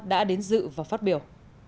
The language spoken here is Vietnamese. đã đến dự và phát biểu